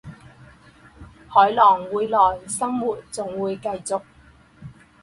海浪会来，生活总会继续